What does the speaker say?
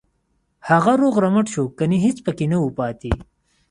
هغه روغ رمټ شو کنه هېڅ پکې نه وو پاتې.